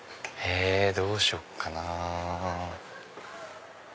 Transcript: どうしよっかな。